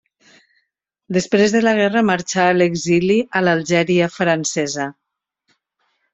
Després de la guerra, marxà a l'exili a l'Algèria francesa.